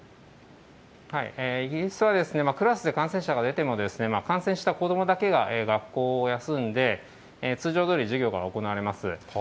イギリスはクラスで感染者が出ても、感染した子どもだけが学校を休んで、通常どおり授業が行われます。